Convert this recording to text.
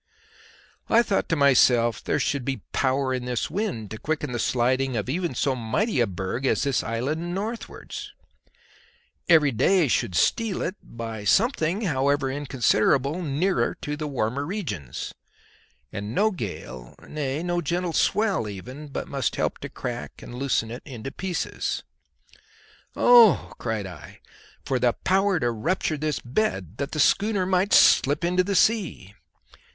I thought to myself there should be power in this wind to quicken the sliding of even so mighty a berg as this island northwards. Every day should steal it by something, however inconsiderable, nearer to warmer regions, and no gale, nay, no gentle swell even, but must help to crack and loosen it into pieces. "Oh," cried I, "for the power to rupture this bed, that the schooner might slip into the sea!